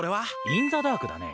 インザダークだね。